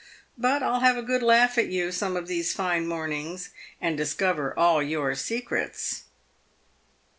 But I'll have a good laugh at you some of these fine mornings and discover all your secrets."